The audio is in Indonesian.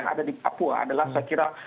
yang ada di papua adalah saya kira